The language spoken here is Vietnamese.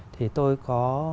thì tôi có